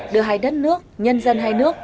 đưa hai đất nước nhân dân hai nước